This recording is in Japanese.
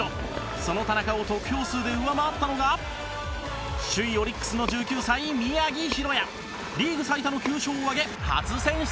その田中を得票数で上回ったのが首位、オリックスの１９歳、宮城大弥リーグ最多の９勝を挙げ初選出